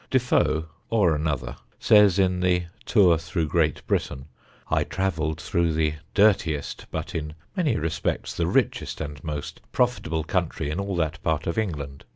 Defoe (or another) says in the Tour through Great Britain: "I travelled through the dirtiest, but, in many respects, the richest and most profitable country in all that part of England.